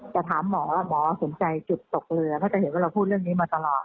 จะถามหมอหมอสนใจจุดตกเรือถ้าจะเห็นว่าเราพูดเรื่องนี้มาตลอด